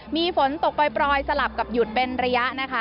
มีฝนตกปล่อยสลับกับหยุดเป็นระยะนะคะ